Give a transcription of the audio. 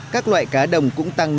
các loại cá đồng cũng tăng nhiều